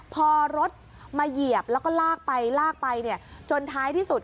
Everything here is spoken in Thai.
พอรถมาเหยียบแล้วก็ลากไปจนท้ายที่สุด